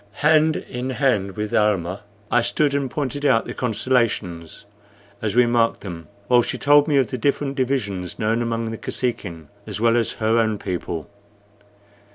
Hand in hand with Almah I stood and pointed out the constellations as we marked them while she told me of the different divisions known among the Kosekin as well as her own people.